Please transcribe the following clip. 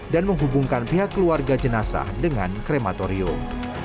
dan menghubungkan pihak keluarga jenazah dengan krematorium